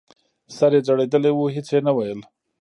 سر یې ځړېدلی و هېڅ یې نه ویل !